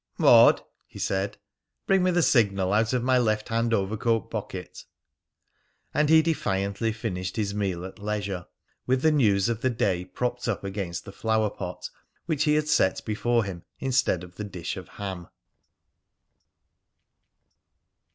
"Maud," he said, "bring me the Signal out of my left hand overcoat pocket." And he defiantly finished his meal at leisure, with the news of the day propped up against the flower pot, which he had set before him instead of the dish of ham.